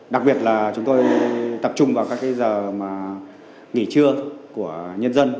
đặc biệt là chúng tôi tập trung vào các giờ nghỉ trưa của nhân dân